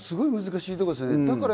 難しいところですね。